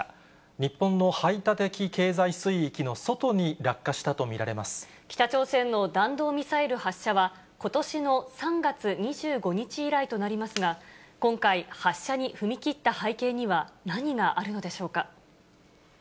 日本の排他的経済水域の外に落下ことしの３月２５日以来となりますが、今回、発射に踏み切った背景には何があるのでしょうか。